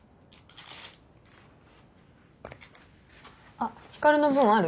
あっ光の分ある？